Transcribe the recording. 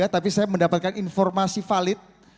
tapi saya mendapatkan informasi valid